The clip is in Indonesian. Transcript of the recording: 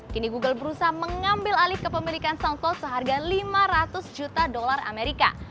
kini google berusaha mengambil alih kepemilikan soundcloud seharga lima ratus juta dolar amerika